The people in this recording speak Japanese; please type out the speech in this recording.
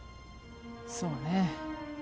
そうね